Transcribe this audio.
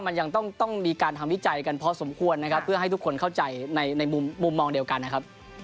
มันยังต้องมีการทำวิจัยกันพอสมควรนะครับเพื่อให้ทุกคนเข้าใจในมุมมองเดียวกันนะครับ